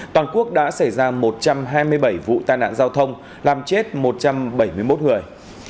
toàn quốc đã xảy ra một trăm hai mươi bảy vụ tai nạn giao thông làm chết một trăm bảy mươi một người